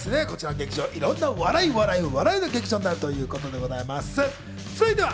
こちらの劇場、笑い笑い、笑いの劇場のなるということでございます。